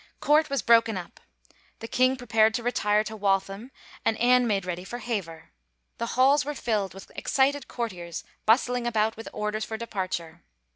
Court was broken up. The king prepared to retire to Waltham and Anne made ready for Hever. The halls were filled with excited courtiers bustling about with orders for departure.